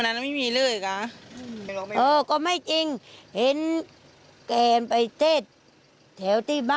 ประพฤทธิ์ดีนะประพฤทธิ์ดีนิสัยดี